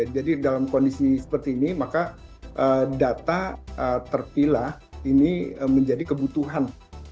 jadi dalam kondisi seperti ini maka data terpilah ini menjadi kebutuhan